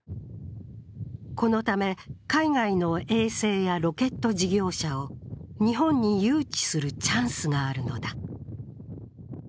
このため、海外の衛星やロケット事業者を日本に誘致するチャンスがあるのだ。